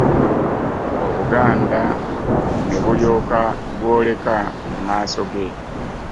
Obuganda ne bulyoka bwoleka mu maaso ge!